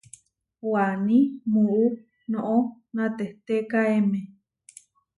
Waní muú noʼó natehtékaeme.